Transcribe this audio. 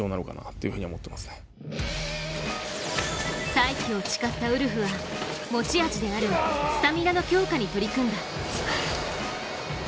再起を誓ったウルフは持ち味であるスタミナの強化に取り組んだ。